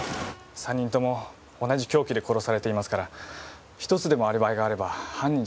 ３人とも同じ凶器で殺されていますから１つでもアリバイがあれば犯人じゃない事になりますね。